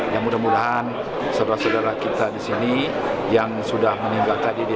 ya mudah mudahan saudara saudara kita disini yang sudah meninggalkan diri